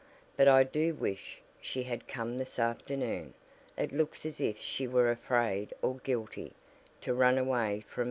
But I do wish, she had come this afternoon. It looks as if she were afraid or guilty, to run away from it all."